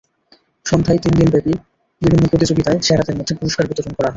সন্ধ্যায় তিন দিনব্যাপী বিভিন্ন প্রতিযোগিতায় সেরাদের মধ্যে পুরস্কার বিতরণ করা হয়।